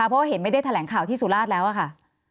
เพราะเห็นไม่ได้แถลงข่าวที่สุราชแล้วค่ะ